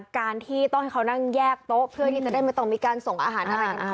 การที่ต้องให้เขานั่งแยกโต๊ะเพื่อที่จะได้มึงต้องมีการส่งอาหาร